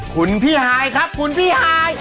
คุณพี่ฮายครับคุณพี่ฮาย